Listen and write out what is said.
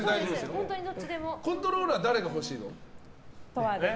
コントローラーは誰が欲しいの？